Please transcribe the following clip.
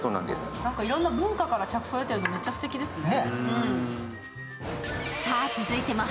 いろんな文化から着想を得ているの、めっちゃすてきですね。